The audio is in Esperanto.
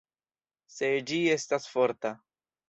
Se ĝi estas forta.